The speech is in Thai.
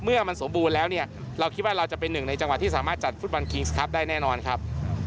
เมื่อมันสมบูรณ์แล้วเนี่ยเราคิดว่าเราจะเป็นหนึ่งในจังหวัดที่สามารถจัดฟุตบอลคิงส์ครับได้แน่นอนครับ